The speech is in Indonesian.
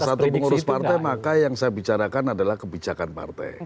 salah satu pengurus partai maka yang saya bicarakan adalah kebijakan partai